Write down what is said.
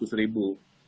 yang dites tiga ratus ribu